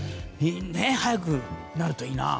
早くなるといいな。